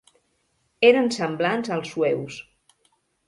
Eren semblants als sueus.